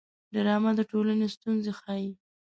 ډرامه د ټولنې ستونزې ښيي